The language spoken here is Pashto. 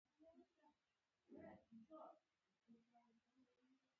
خولۍ د عسکري یونیفورم برخه ده.